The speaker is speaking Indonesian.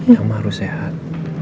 mama harus sehat